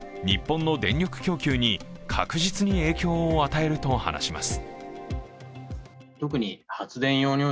ただ、専門家は日本の電力供給に確実に影響を与えると話します。